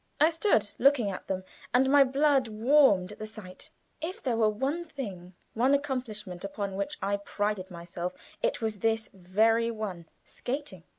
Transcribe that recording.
I stood looking at them, and my blood warmed at the sight. If there were one thing one accomplishment upon which I prided myself, it was this very one skating.